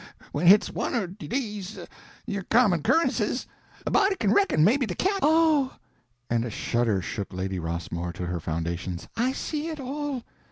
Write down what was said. Wen hit's one er dese yer common 'currences, a body kin reckon maybe de cat—" "Oh!" and a shudder shook Lady Rossmore to her foundations. "I see it all.